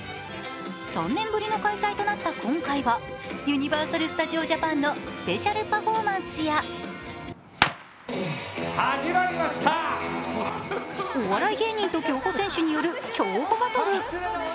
３年ぶりの開催となった今回はユニバーサル・スタジオ・ジャパンのスペシャルパフォーマンスやお笑い芸人と競歩選手による競歩バトル。